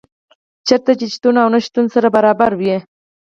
چېرته چي دي شتون او نه شتون سره برابر وي